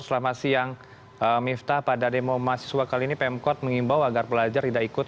selama siang miftah pada demo mahasiswa kali ini pemkot mengimbau agar pelajar tidak ikut